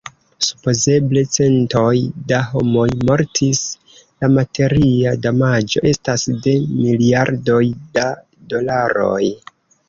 Supozeble centoj da homoj mortis; la materia damaĝo estas de miliardoj da dolaroj.